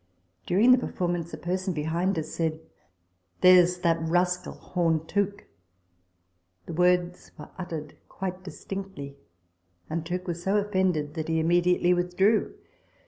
During the performance, a person behind us said, " There's that rascal, Home Tooke." The words were uttered quite distinctly ; and Tooke was so offended that he immediately withdrew.